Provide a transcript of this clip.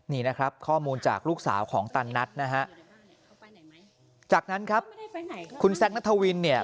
นี่นะครับข้อมูลจากลูกสาวของตันนัทนะฮะจากนั้นครับคุณแซคนัทวินเนี่ย